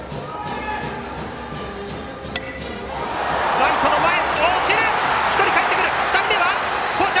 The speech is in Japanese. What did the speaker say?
ライトの前に落ちる！